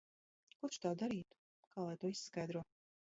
Kurš tā darītu? Kā to lai izskaidro?